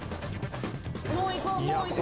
もういこうもういこう。